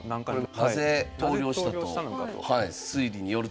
なぜ投了したと推理によると？